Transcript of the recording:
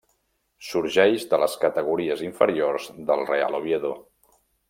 Sorgeix de les categories inferiors del Real Oviedo.